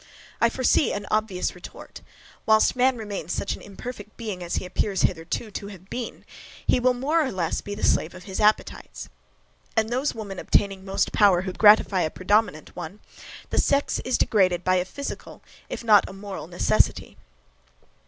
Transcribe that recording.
I foresee an obvious retort; whilst man remains such an imperfect being as he appears hitherto to have been, he will, more or less, be the slave of his appetites; and those women obtaining most power who gratify a predominant one, the sex is degraded by a physical, if not by a moral necessity.